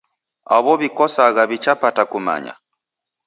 Aw'o w'ikosagha w'ichapata kumanya.